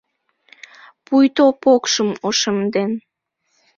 Пуйто покшым ошемден.